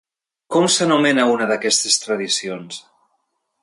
Com s'anomena una d'aquestes tradicions?